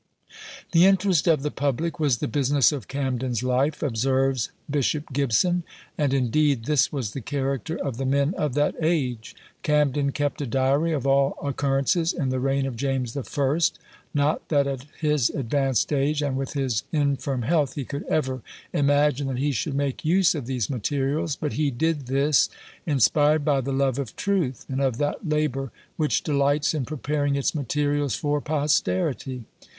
"The interest of the public was the business of Camden's life," observes Bishop Gibson; and, indeed, this was the character of the men of that age. Camden kept a diary of all occurrences in the reign of James the First; not that at his advanced age, and with his infirm health, he could ever imagine that he should make use of these materials; but he did this, inspired by the love of truth, and of that labour which delights in preparing its materials for posterity.